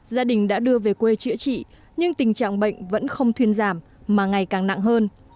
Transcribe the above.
gia đình đã đưa về quê chữa trị nhưng tình trạng bệnh vẫn không thuyên giảm mà ngày càng nặng hơn